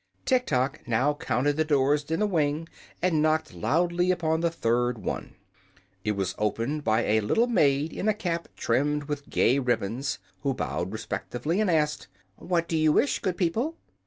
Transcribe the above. Tiktok now counted the doors in the wing and knocked loudly upon the third one. It was opened by a little maid in a cap trimmed with gay ribbons, who bowed respectfully and asked: "What do you wish, good people?"